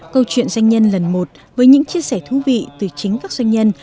câu chuyện doanh nhân lần một với những chia sẻ thú vị từ chính các doanh nhân